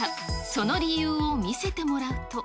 その理由を見せてもらうと。